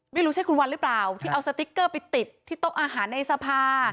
ไม่รู้ใช่คุณวันหรือเปล่าที่เอาสติ๊กเกอร์ไปติดที่โต๊ะอาหารในสภา